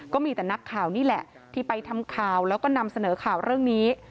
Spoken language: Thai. ก็มีแต่นักข่าวนี่แหละที่ไปทำข่าวแล้วก็นำเสนอข่าวเรื่องนี้